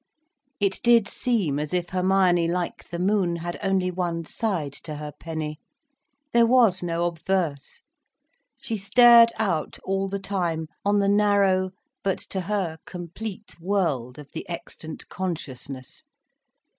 It did seem as if Hermione, like the moon, had only one side to her penny. There was no obverse. She stared out all the time on the narrow, but to her, complete world of the extant consciousness.